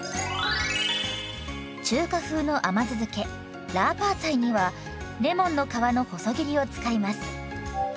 中華風の甘酢漬けラーパーツァイにはレモンの皮の細切りを使います。